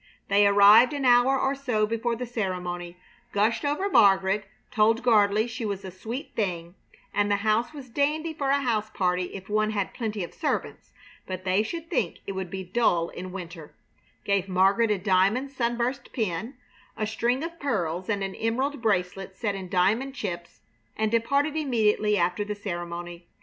They arrived an hour or so before the ceremony; gushed over Margaret; told Gardley she was a "sweet thing"; said the house was "dandy for a house party if one had plenty of servants, but they should think it would be dull in winter"; gave Margaret a diamond sunburst pin, a string of pearls, and an emerald bracelet set in diamond chips; and departed immediately after the ceremony.